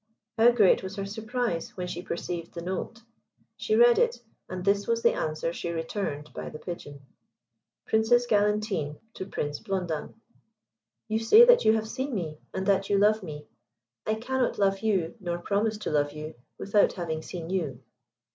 How great was her surprise when she perceived the note! She read it, and this was the answer she returned by the Pigeon: "Princess Galantine to Prince Blondin. "You say that you have seen me, and that you love me. I cannot love you, nor promise to love you, without having seen you.